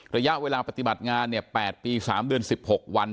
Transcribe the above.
ระยะเวลาปฏิบัติงาน๘ปี๓เดือน๑๖วัน